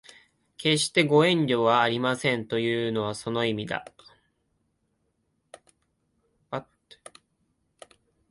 決してご遠慮はありませんというのはその意味だ